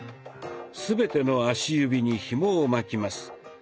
全ての足指にひもを巻きます。